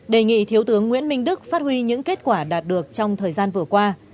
đề nghị thiếu tướng nguyễn minh đức phát huy những kết quả đạt được trong thời gian vừa qua